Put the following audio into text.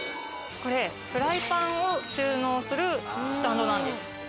これフライパンを収納するスタンドなんです。